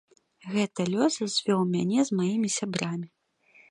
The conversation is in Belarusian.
Гэта лёс звёў мяне з маімі сябрамі.